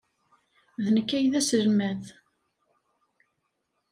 D nekk ay d aselmad.